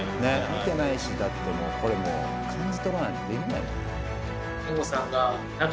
見てないしだってもうこれ感じ取らないとできない。